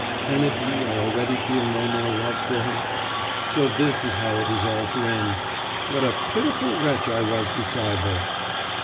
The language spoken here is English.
'Can it be I already feel no more love for her? So this is how it was all to end! What a pitiful wretch I was beside her!